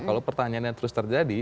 kalau pertanyaannya terus terjadi